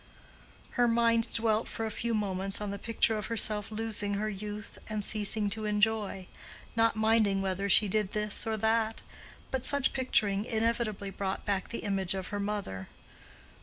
Her mind dwelt for a few moments on the picture of herself losing her youth and ceasing to enjoy—not minding whether she did this or that: but such picturing inevitably brought back the image of her mother.